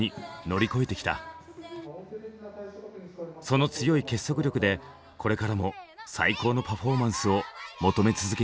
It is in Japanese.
その強い結束力でこれからも最高のパフォーマンスを求め続けていきます。